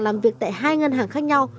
làm việc tại hai ngân hàng khác nhau